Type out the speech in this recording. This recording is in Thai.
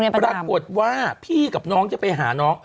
ปรากฏว่าพี่กับน้องจะไปหาน้อง